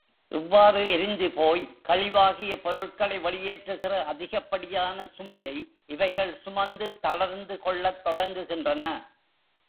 இவ்வாறு எரிந்து போய் கழிவாகிய பொருட்களை வெளியேற்றுகிற அதிகப்படியான சுமையை, இவைகள் சுமந்து தளர்ந்து கொள்ளத் தொடங்குகின்றன.